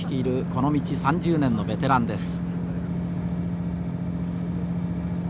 この道３０年のベテランです。